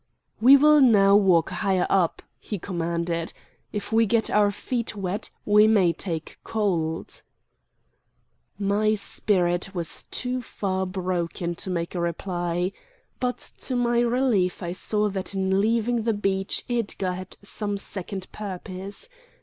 "We will now walk higher up," he commanded. "If we get our feet wet, we may take cold." My spirit was too far broken to make reply. But to my relief I saw that in leaving the beach Edgar had some second purpose.